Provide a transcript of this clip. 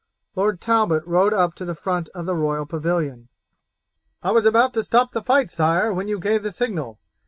Lord Talbot rode up to the front of the royal pavilion. "I was about to stop the fight, sire, when you gave the signal.